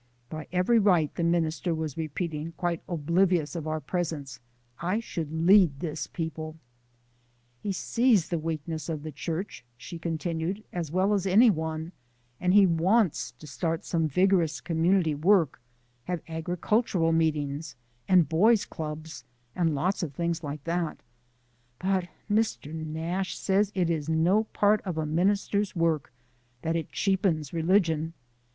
"By every right," the minister was repeating, quite oblivious of our presence, "I should lead these people." "He sees the weakness of the church," she continued, "as well as any one, and he wants to start some vigorous community work have agricultural meetings and boys' clubs, and lots of things like that but Mr. Nash says it is no part of a minister's work: that it cheapens religion.